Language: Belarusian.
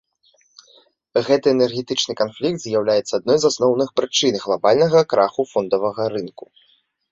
Гэты энергетычны канфлікт з'яўляецца адной з асноўных прычын глабальнага краху фондавага рынку.